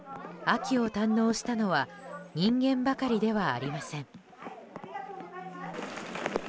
秋を堪能したのは人間ばかりではありません。